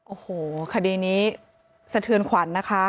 โอ้โหคดีนี้สะเทือนขวัญนะคะ